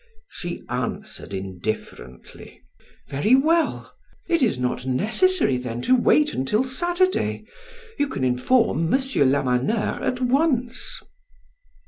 She answered indifferently: "Very well; it is not necessary then to wait until Saturday; you can inform M. Lamaneur at once."